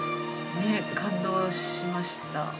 ねぇ、感動しました。